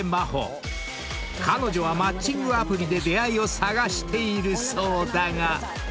［彼女はマッチングアプリで出会いを探しているそうだが］